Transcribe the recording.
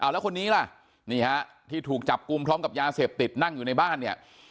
แล้วคนนี้ล่ะนี่ฮะที่ถูกจับกลุ่มพร้อมกับยาเสพติดนั่งอยู่ในบ้านเนี่ย